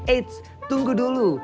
eits tunggu dulu